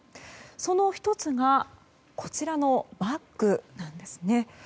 その１つがこちらのバッグなんですね。